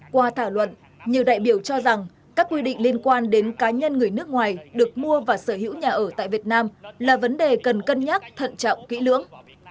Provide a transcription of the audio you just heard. qua thảo luận nhiều đại biểu cho rằng các quy định liên quan đến cá nhân người nước ngoài được mua và sở hữu nhà ở tại việt nam là vấn đề cần cân nhắc thận trọng kỹ lưỡng